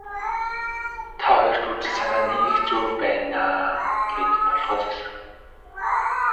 Та хоёрт үзэл санааны их зөрүү байна даа гээд толгой сэгсрэв.